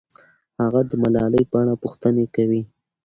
هغه د ملالۍ په اړه پوښتنې کوي.